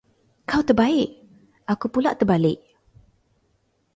Kau terbaik! aku pulak terbalik.